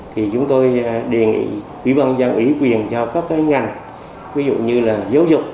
thì chúng tôi đề nghị quý văn giao ủy quyền cho các ngành ví dụ như là giáo dục